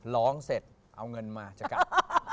ร้องเสร็จเอาเงินมาจะกลับ